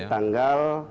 yaitu tanggal tujuh belas